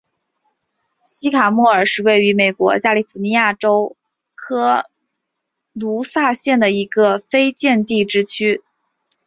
西卡莫尔是位于美国加利福尼亚州科卢萨县的一个非建制地区。